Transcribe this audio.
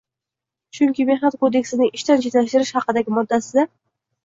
Chunki Mehnat kodeksining ishdan chetlashtirish haqidagi moddasida